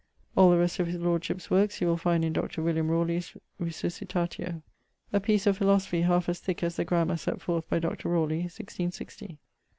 All the rest of his lordship's workes you will find in Dr. William Rawley's Resuscitatio. A piece of philosophy halfe as thick as the grammar set forth by Dr. Rawley, 1660. .........